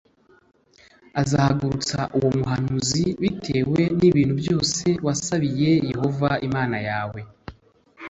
Azahagurutsa uwo muhanuzi bitewe n ibintu byose wasabiye yehova imana yawe